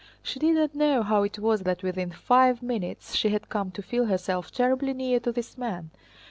She did not know how it was that within five minutes she had come to feel herself terribly near to this man.